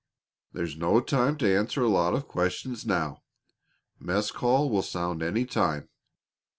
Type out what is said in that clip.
"There's no time to answer a lot of questions now. Mess call will sound any time.